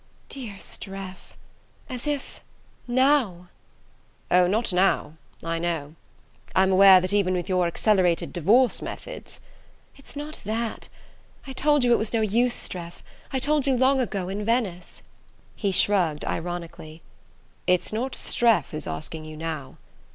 "Dear Streff! As if now " "Oh, not now I know. I'm aware that even with your accelerated divorce methods " "It's not that. I told you it was no use, Streff I told you long ago, in Venice." He shrugged ironically. "It's not Streff who's asking you now.